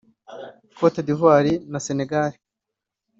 Côte d’Ivoire na Senegal